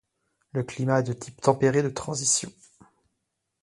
Le climat est de type tempéré de transition.